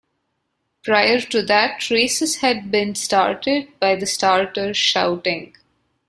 Prior to that races had been started by the starter shouting.